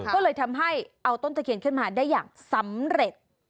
ก็เลยทำให้เอาต้นตะเคียนขึ้นมาได้อย่างสำเร็จ